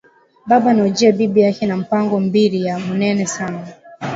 Baba anaujiya bibi yake ma mpango mbiri ya munene sana